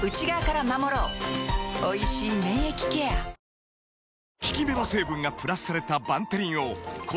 おいしい免疫ケア・はい！